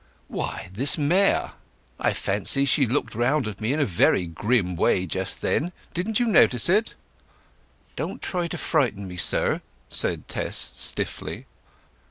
"Why, this mare. I fancy she looked round at me in a very grim way just then. Didn't you notice it?" "Don't try to frighten me, sir," said Tess stiffly.